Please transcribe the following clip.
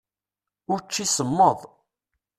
Učči semmeḍ.